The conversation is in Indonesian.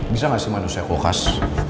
bisa nggak sih manusia kokas